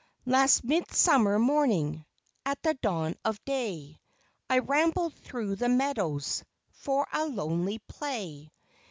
Last midsummer morning, At the dawn of day, I rambled through the meadows For a lonely play.